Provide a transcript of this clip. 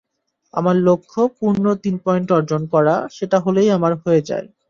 আমার লক্ষ্য পূর্ণ তিন পয়েন্ট অর্জন করা, সেটা হলেই আমার হয়ে যায়।